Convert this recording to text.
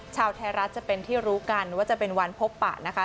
ชาวไทยรัฐจะเป็นที่รู้กันว่าจะเป็นวันพบปะนะคะ